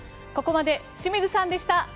ここまで、清水さんでした。